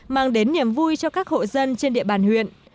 mang đến niềm vui cho các hộ dân trên địa bàn huyện